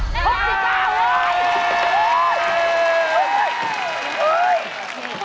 ๖๙บาท